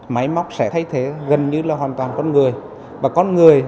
máy móc sẽ thay thế gần như là hoàn toàn con người